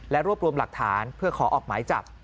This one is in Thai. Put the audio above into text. รวบรวมหลักฐานเพื่อขอออกหมายจับ